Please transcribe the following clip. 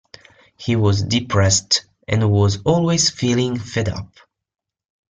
He was depressed, and was always feeling fed up.